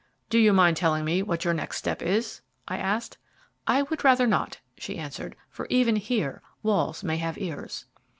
"Do you mind telling me what your next step is?" I asked. "I would rather not," she answered, "for even here walls may have ears."